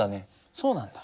そうなんだ。